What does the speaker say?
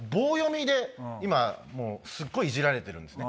今すごいイジられてるんですね。